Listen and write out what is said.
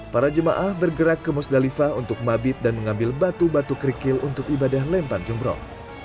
para jemaah bergerak ke musdalifah untuk mabit dan mengambil batu batu kerikil untuk ibadah lempan jumroh